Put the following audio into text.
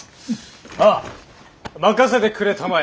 ああ任せてくれたまえ。